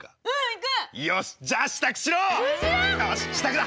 よし支度だ！